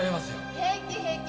〔平気平気！